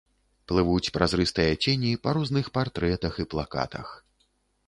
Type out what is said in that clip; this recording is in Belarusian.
Плывуць празрыстыя цені па розных партрэтах і плакатах.